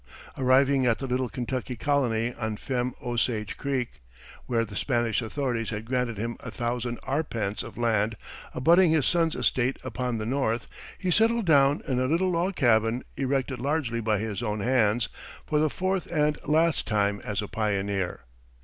Arriving at the little Kentucky colony on Femme Osage Creek, where the Spanish authorities had granted him a thousand arpents of land abutting his son's estate upon the north, he settled down in a little log cabin erected largely by his own hands, for the fourth and last time as a pioneer.